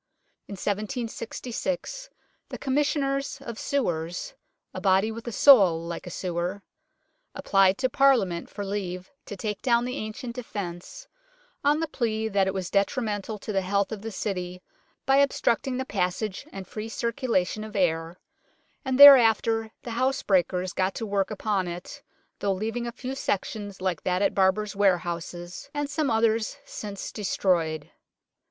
In 1766 the Commis sioners of Sewers (a body with a soul like a sewer) applied to Parliament for leave to take down the ancient defence, on the plea that it was detrimental to the health of the City by obstructing the passage and free circulation of air, and thereafter the housebreakers got to work upon it, though leaving a few sections like that at Barber's Ware houses and some others since destroyed.